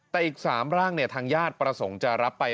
แต่อีก๓ร่างทางญาติประสงค์จะรับไป